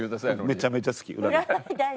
めちゃめちゃ好き占い。